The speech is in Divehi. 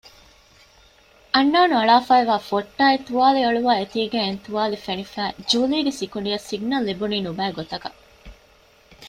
އަންނައުނު އަޅާފައިވާ ފޮއްޓާއި ތުވާލި އަޅުވާ އެތީގައި އިން ތުވާލި ފެނިފައި ޖޫލީގެ ސިކުނޑިއަށް ސިގްނަލް ލިބުނީ ނުބައިގޮތަކަށް